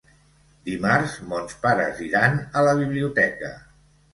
Dimarts mons pares iran a la biblioteca.